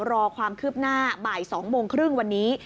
รอความคืบหน้าบ่าย๒โมงครึ่งวันนี้